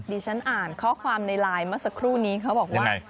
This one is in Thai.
ฉันอ่านข้อความในไลน์เมื่อสักครู่นี้เขาบอกว่า